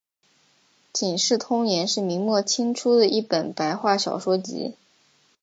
警世通言是明末清初的一本白话小说集。